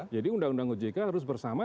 jadi undang undang ojk harus bersama